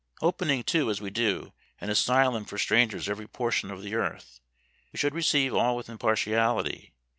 Opening, too, as we do, an asylum for strangers every portion of the earth, we should receive all with impartiality.